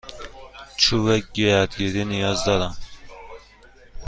چوب گردگیری نیاز دارم.